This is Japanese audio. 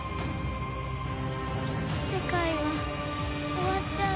世界が終わっちゃう。